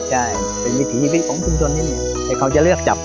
ใช่เป็นวิธีของชุมชนเนี้ยเนี้ยเขาจะเลือกจับ